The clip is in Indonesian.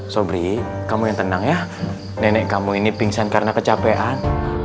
sobri kamu yang tenang ya nenek kamu ini pingsan karena kecapean